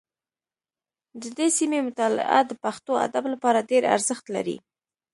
د دې سیمې مطالعه د پښتو ادب لپاره ډېر ارزښت لري